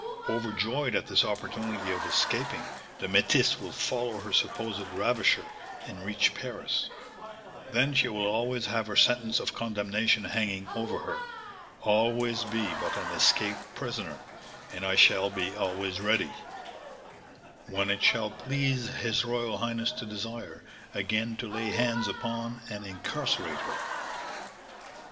Overjoyed at this opportunity of escaping, the métisse will follow her supposed ravisher, and reach Paris; then she will always have her sentence of condemnation hanging over her, always be but an escaped prisoner, and I shall be always ready, when it shall please his royal highness to desire, again to lay hands upon and incarcerate her."